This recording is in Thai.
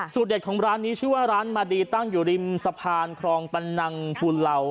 สูตรเดทของร้านนี้ชื่อว่าร้านมาดีตั้งอยู่ริมสะพานโครงประหลังผูลาว